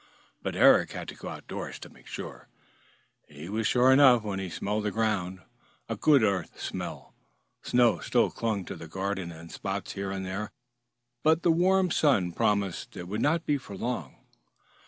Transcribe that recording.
But Eric had to go outdoors to make sure. He was sure enough when he smelled the ground, a good earth smell. Snow still clung to the garden in spots here and there, but the warm sun promised it would not be for long.